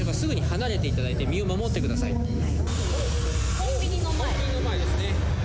コンビニの前ですね。